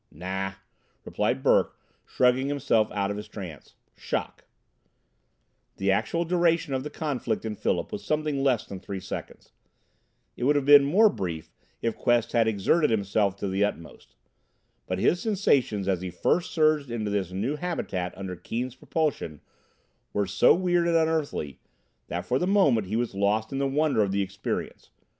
"Nah!" replied Burke, shrugging himself out of his trance. "Shock." The actual duration of the conflict in Philip was something less than three seconds. It would have been more brief if Quest had exerted himself to the utmost. But his sensations as he first surged into this new habitat under Keane's propulsion were so weird and unearthly that for the moment he was lost in the wonder of the experience.